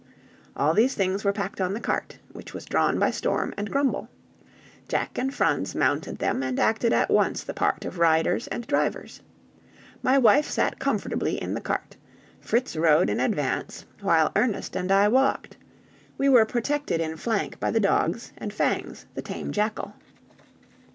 All these things were packed on the cart, which was drawn by Storm and Grumble. Jack and Franz mounted them, and acted at once the part of riders and drivers. My wife sat comfortably in the cart, Fritz rode in advance, while Ernest and I walked; we were protected in flank by the dogs and Fangs, the tame jackal.